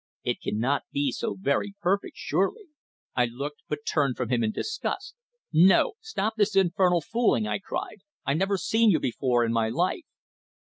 It cannot be so very perfect, surely." I looked, but turned from him in disgust. "No. Stop this infernal fooling!" I cried. "I've never seen you before in my life."